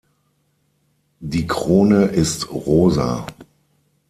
Die Krone ist rosa.